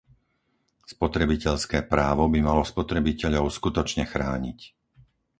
Spotrebiteľské právo by malo spotrebiteľov skutočne chrániť.